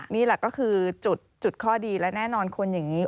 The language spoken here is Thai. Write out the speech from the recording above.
นี่แหละก็คือจุดข้อดีและแน่นอนคนอย่างนี้